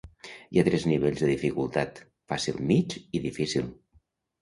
Hi ha tres nivells de dificultat: fàcil, mig i difícil.